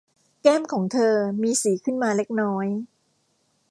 แก้มของเธอ มีสีขึ้นมาเล็กน้อย